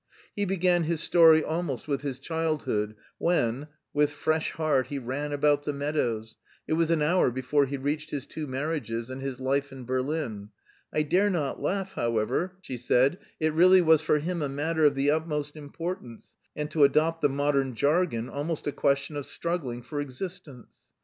He began his story almost with his childhood, when, "with fresh heart, he ran about the meadows; it was an hour before he reached his two marriages and his life in Berlin. I dare not laugh, however. It really was for him a matter of the utmost importance, and to adopt the modern jargon, almost a question of struggling for existence."